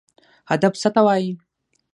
هدف څه ته وایي؟